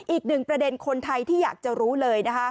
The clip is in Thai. อีกหนึ่งประเด็นคนไทยที่อยากจะรู้เลยนะคะ